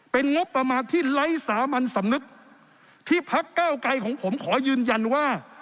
เป็นงบประมาณที่ไร้สามัญสำนึกที่พักเก้าไกรของผมขอยืนยันว่า